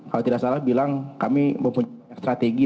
kalau tidak salah bilang kami mempunyai strategi